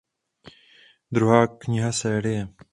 Druhá kniha série.